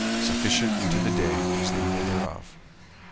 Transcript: Sufficient unto the day is the evil thereof.